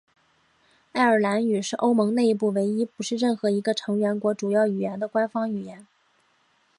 爱尔兰语是欧盟内部唯一不是任何一个成员国主要语言的官方语言。